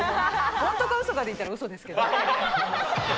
本当かうそかでいったらうそですけど。